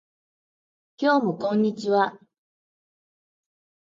今日もこんにちは